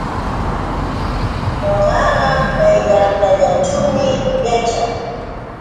Ñuqaqa kay llaqtallaćhuumi yaćhaa.